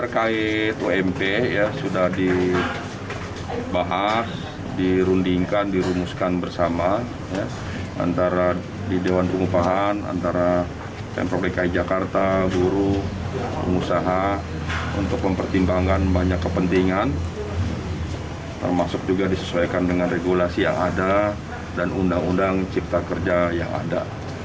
kmp sudah dibahas dirundingkan dirumuskan bersama antara di dewan pengupahan antara pemprovd jakarta guru pengusaha untuk mempertimbangkan banyak kepentingan termasuk juga disesuaikan dengan regulasi yang ada dan undang undang cipta kerja yang ada